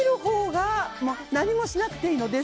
何もしなくていいの。